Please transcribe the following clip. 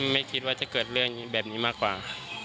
ไม่คิดว่าจะเกิดเรื่องแบบนี้มากกว่า